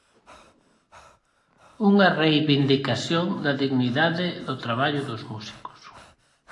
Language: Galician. Unha reivindicación da dignidade do traballo dos músicos.